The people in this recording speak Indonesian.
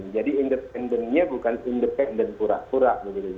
jadi independennya bukan independent pura pura